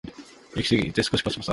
焼きすぎて少しパサパサ